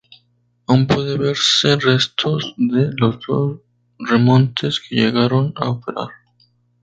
Aún pueden verse restos de los dos remontes que llegaron a operar.